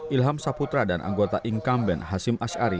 ilham saputra dan anggota inkamben hasim ash'ari